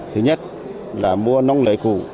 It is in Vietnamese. thứ nhất là mua nông lưỡi cũ